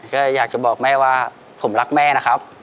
ก็อยากจะบอกแม่ว่าผมรักแม่นะครับ